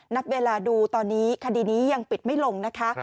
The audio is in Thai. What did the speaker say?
นับเวลาดูตอนนี้คดีนี้ยังปิดไม่ลงนะคะ